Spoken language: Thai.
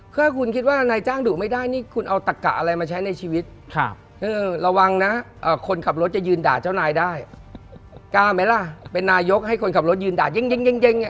เป็นนายกให้คนขับรถยืนด่ายิ่งยิ่งยิ่งยิ่ง